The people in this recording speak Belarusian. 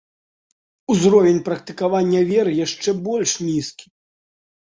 Узровень практыкавання веры яшчэ больш нізкі.